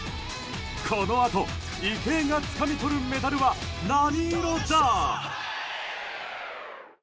このあと、池江がつかみ取るメダルは何色だ？